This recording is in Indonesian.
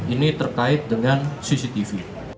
ini terkait dengan cctv